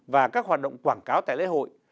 và các hoạt động quảng cáo tại lễ hội